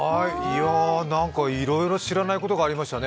いろいろ知らないことがありましたね。